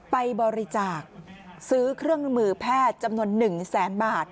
ไปบริจาคซื้อเครื่องมือแพทย์จำนวน๑แสนบาท